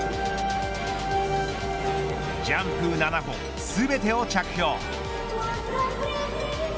ジャンプ７本全てを着氷。